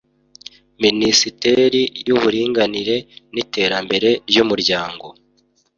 Minisiteri y’Uburinganire n’Iterambere ry’Umuryango